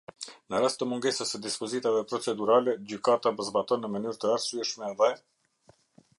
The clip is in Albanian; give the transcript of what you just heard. Në rast të mungesës së dispozitave procedurale, Gjykata zbaton në mënyrë të arsyeshme dhe.